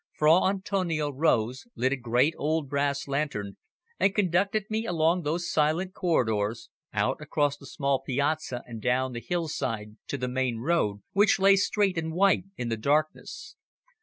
Fra Antonio rose, lit a great old brass lantern, and conducted me along those silent corridors, out across the small piazza and down the hillside to the main road which lay straight and white in the darkness.